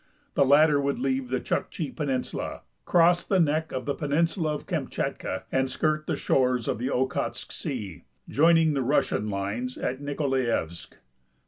The latter would leave the Chukchi peninsula, cross the neck of the i)cninsula of Kamchatka and skirt the shores of the Okhotsk sea, joining the Russian lines at Nikolaiev.sk.